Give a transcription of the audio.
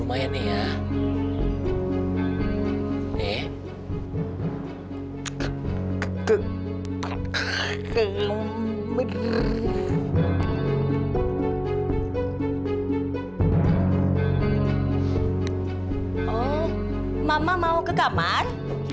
oh mama mau ke kamar